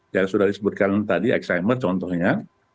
yang sudah disebutkan tadi eksimer contohnya